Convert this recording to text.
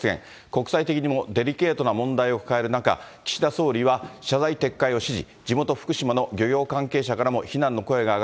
国際的にもデリケートな問題を抱える中、岸田総理は、謝罪・撤回を指示。